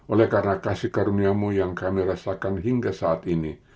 oleh karena kasih karuniamu yang kami rasakan hingga saat ini